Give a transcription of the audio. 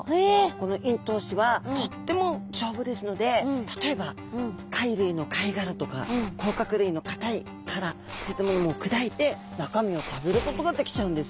この咽頭歯はとっても丈夫ですので例えば貝類の貝殻とか甲殻類の硬い殻そういったものも砕いて中身を食べることができちゃうんです。